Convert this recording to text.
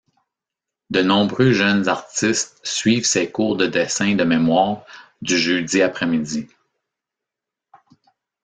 De nombreux jeunes artistes suivent ses cours de dessin de mémoire du jeudi après-midi.